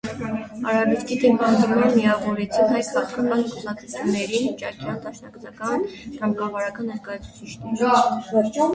Արհավիրքի դեմ հանդիման միավորվեցին հայ քաղաքական կուսակցությունների (հնչակյան, դաշնակցական, ռամկավարական) ներկայացուցիչներ։